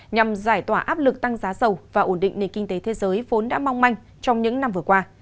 nhằm giải tỏa áp lực tăng giá dầu và ổn định nền kinh tế thế giới vốn đã mong manh trong những năm vừa qua